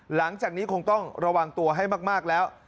หลังจากนี้คงต้องระวังตัวให้มากแล้ว